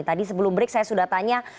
tadi sebelum break saya sudah tanya